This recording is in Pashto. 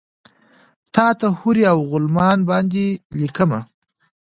تاته حورې اوغلمان باندې لیکمه